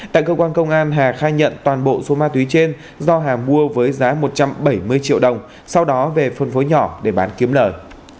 tại cơ quan công an hà khai nhận toàn bộ số ma túy trên do hà mua với giá một trăm bảy mươi triệu đồng sau đó về phân phối nhỏ để bán kiếm lời